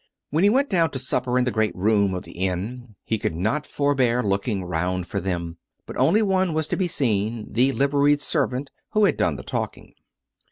When he went down to supper in the great room of the inn, he could not forbear looking round for them. But only one was to be seen — the liveried servant who had done the talking.